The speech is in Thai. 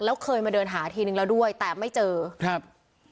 แล้วเคยมาเดินหาทีนึงแล้วด้วยแต่ไม่เจอครับ